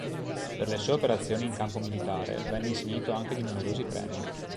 Per le sue operazioni in campo militare venne insignito anche di numerosi premi.